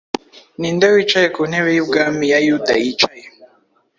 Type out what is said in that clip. Ninde wicaye ku ntebe yubwami ya Yuda yicaye